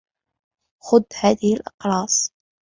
خذ هذه الأقراص.